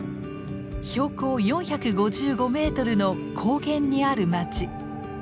標高４５５メートルの高原にある街。